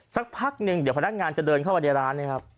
สักพักหนึ่งเดี๋ยวพนักงานจะเดินเข้ามาในร้านนะครับ